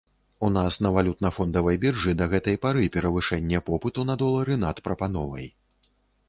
У нас на валютна-фондавай біржы да гэтай пары перавышэнне попыту на долары над прапановай.